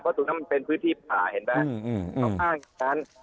เพราะเนื่องฉะนั้นเป็นพื้นที่ป่าเห็นมั้ย